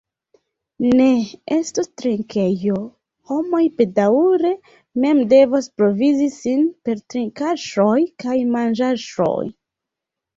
Ne estos trinkejo, homoj bedaŭre mem devos provizi sin per trinkaĵoj kaj manĝaĵoj.